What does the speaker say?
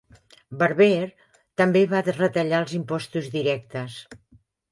Barber també va retallar els impostos directes.